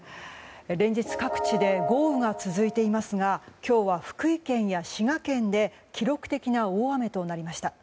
連日各地で豪雨が続いていますが今日は福井県や滋賀県で記録的な大雨となりました。